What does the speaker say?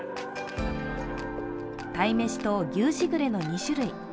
鯛飯と牛しぐれの２種類。